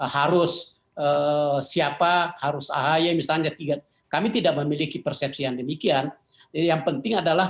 harus siapa harus ahy misalnya tiga kami tidak memiliki persepsi yang demikian jadi yang penting adalah